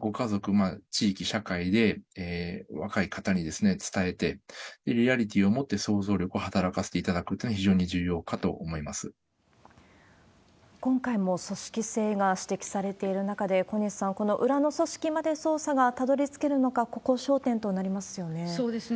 ご家族、地域、社会で、若い方に伝えて、リアリティを持って想像力を働かせていただくというのが非常に重今回も組織性が指摘されている中で、小西さん、この裏の組織まで捜査がたどりつけるのか、ここ、焦点となりますそうですね。